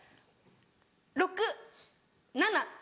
６・７。